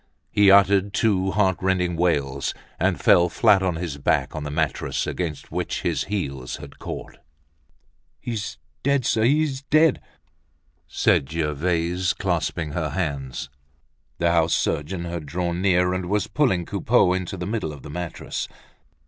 He uttered two heart rending wails, and fell flat on his back on the mattress, against which his heels had caught. "He's dead, sir, he's dead!" said Gervaise, clasping her hands. The house surgeon had drawn near, and was pulling Coupeau into the middle of the mattress.